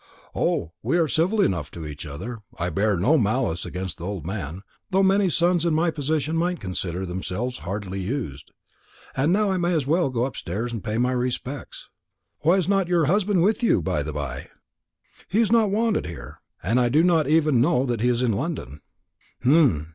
"O, we are civil enough to each other. I bear no malice against the old man, though many sons in my position might consider themselves hardly used. And now I may as well go upstairs and pay my respects. Why is not your husband with you, by the bye?" "He is not wanted here; and I do not even know that he is in London."